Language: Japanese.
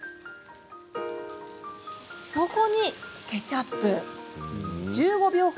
そこにケチャップ。